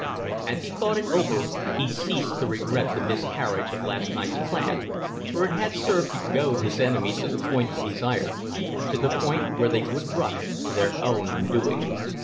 As he thought it over he ceased to regret the miscarriage of last night's plan, for it had served to goad his enemies to the point he desired, to the point where they would rush to their own undoing.